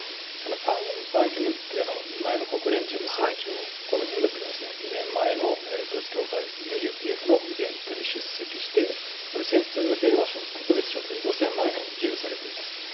パン・ギムンっていう、前の国連事務総長、この人物が２年前の統一教会、ＵＰＦのイベントに出席して、平和賞ということで、５０００万円を授与されています。